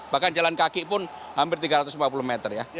bahkan jalan kaki pun hampir tiga ratus lima puluh meter ya